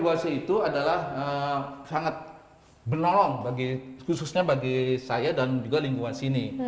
ya kp dua c itu adalah sangat bernolong khususnya bagi saya dan juga lingkungan sini